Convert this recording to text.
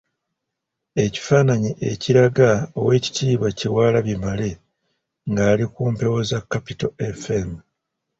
Ekifaananyi ekiraga oweekitiibwa Kyewalabye Male nga ali ku mpewo za Capital FM.